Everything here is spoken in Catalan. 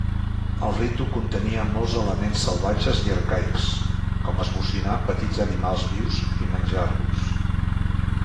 El ritu contenia molts elements salvatges i arcaics, com esbocinar petits animals vius i menjar-los.